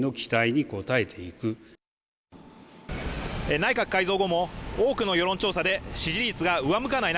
内閣改造後も多くの世論調査で支持率が上向かない